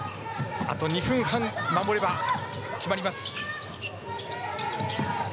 あと２分半守れば決まります。